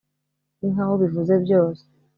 ninkaho ubivuze byose